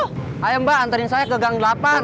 hai mbak anterin saya ke gang delapan